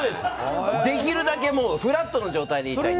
できるだけフラットな状態でいたいので。